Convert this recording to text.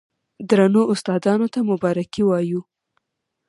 درنو استادانو ته مبارکي وايو،